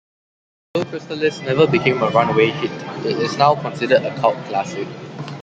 Though "Crystalis" never became a runaway hit, it is now considered a cult classic.